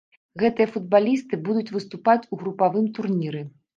Гэтыя футбалісты будуць выступаць у групавым турніры.